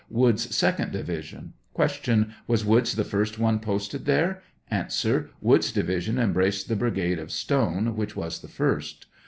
Woods' second division. Q. Was Woods' the first one posted there? A. Woods' division embraced the brigade of Stone, which was the first.